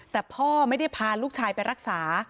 แต่พ่อไม่ได้พาลูกชายไปรักษา